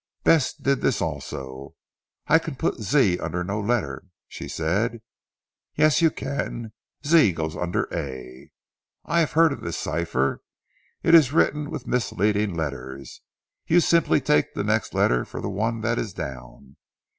"Bess did this also, 'I can put Z under no letter,' she said." "Yes you can. Z goes under A, I have heard of this cipher. It is written with misleading letters. You simply take the next letter for the one that is down.